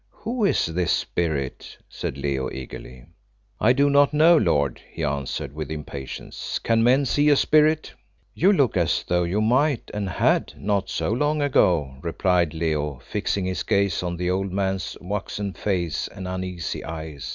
"Who is this Spirit?" said Leo eagerly. "I do not know, lord," he answered with impatience. "Can men see a spirit?" "You look as though you might, and had, not so long ago," replied Leo, fixing his gaze on the old man's waxen face and uneasy eyes.